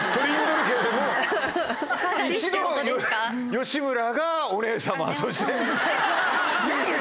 一度吉村がお姉さまそして。